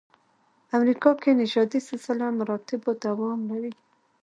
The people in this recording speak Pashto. امریکا کې نژادي سلسله مراتبو دوام لري.